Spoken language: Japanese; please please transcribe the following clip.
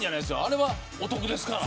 あれはお得ですから。